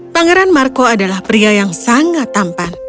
pangeran marco adalah pria yang sangat tampan